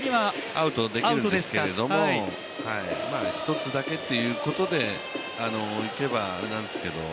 アウトにできるんですけど１つだけっていうところでいけばなんですけど。